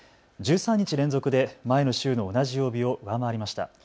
１３日連続で前の週の同じ曜日を上回りました。